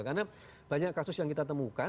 karena banyak kasus yang kita temukan